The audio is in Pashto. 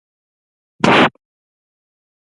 زه پوهیږم چې ټولنپوهنه د فرد او ټولنې ترمنځ اړیکه څیړي.